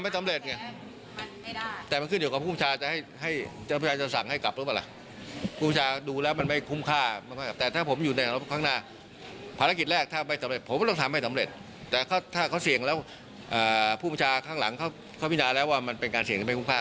แต่ถ้าเขาเสียงแล้วผู้ประชาข้างหลังเขาวินาแล้วว่ามันเป็นการเสียงที่ไม่คุ้มภาค